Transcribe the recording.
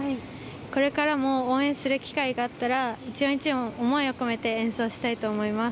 これからも応援する機会があったら一音一音思いを込めて演奏したいと思います。